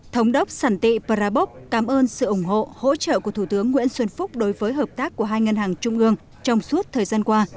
thống đốc sản tị prabok cảm ơn sự ủng hộ hỗ trợ của thủ tướng nguyễn xuân phúc đối với hợp tác của hai ngân hàng trung ương trong suốt thời gian qua